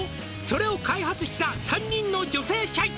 「それを開発した３人の女性社員」